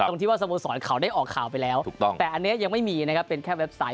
ตรงที่ว่าสโมสรเขาได้ออกข่าวไปแล้วถูกต้องแต่อันนี้ยังไม่มีนะครับเป็นแค่เว็บไซต์